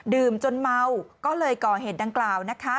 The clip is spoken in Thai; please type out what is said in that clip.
จนเมาก็เลยก่อเหตุดังกล่าวนะคะ